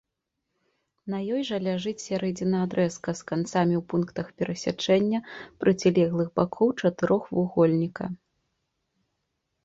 На ёй жа ляжыць сярэдзіна адрэзка з канцамі ў пунктах перасячэння процілеглых бакоў чатырохвугольніка.